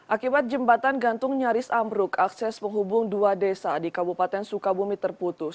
akibat jembatan gantung nyaris ambruk akses penghubung dua desa di kabupaten sukabumi terputus